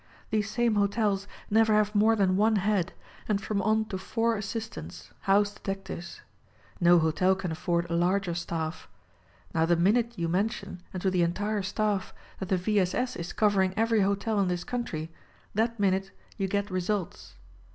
_ These same hotels never have more than one head, and from on to four assistants, house detectives. No hotel can afford a larger staff. Now the minute you mention, and to the entire staff, that the V. S. S. is covering every hotel in this country, that minute you get results.